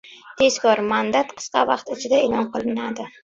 Tezkor! Mandat qisqa vaqt ichida e’lon qilinadi